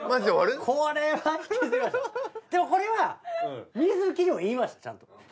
でもこれは観月にも言いましたちゃんと。